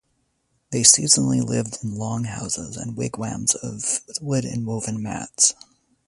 They seasonally lived in long houses and wigwams of wood and woven mats.